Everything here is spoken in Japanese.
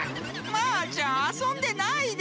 マーちゃんあそんでないで！